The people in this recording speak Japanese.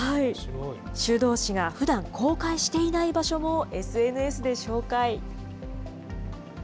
修道士がふだん公開していない場所もＳＮＳで紹介。